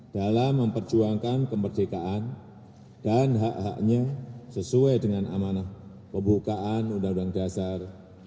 dalam memperjuangkan kemerdekaan dan hak haknya sesuai dengan amanah pembukaan undang undang dasar seribu sembilan ratus empat puluh lima